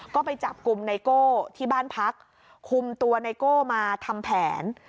ก็ไปจับกลุ่มไนโก้ที่บ้านพักคุมตัวไนโก้มาทำแผน